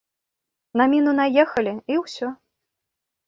На міну наехалі, і ўсё.